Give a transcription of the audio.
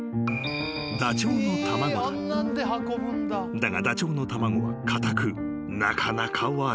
［だがダチョウの卵は硬くなかなか割れない］